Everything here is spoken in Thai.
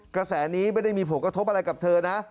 กระแสนี้ไม่ได้มีผลกระทบอะไรกับเธอนะ